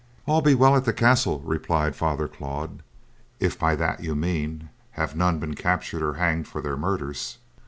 "All be well at the castle," replied Father Claude, "if by that you mean have none been captured or hanged for their murders.